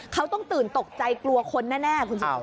เขาต้องตื่นตกใจกลัวคนแน่คุณสุภาพ